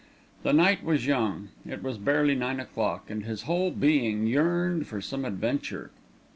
The night was young, it was barely nine o'clock, and his whole being yearned for some adventure.